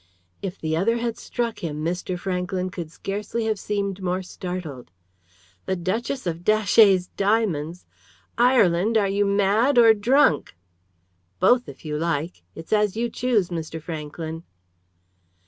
If the other had struck him Mr. Franklyn could scarcely have seemed more startled. "The Duchess of Datchet's diamonds! Ireland, are you mad or drunk?" "Both, if you like. It's as you choose, Mr. Franklyn."